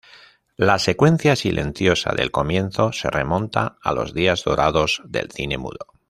La secuencia silenciosa del comienzo se remonta a los días dorados del cine mudo.